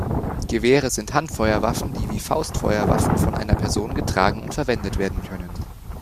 Gewehre sind Handfeuerwaffen die wie Faustfeuerwaffen von einer Person getragen und verwendet werden können.